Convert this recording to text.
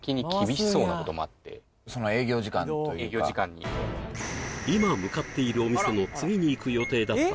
営業時間に今向かっているお店の次に行く予定だった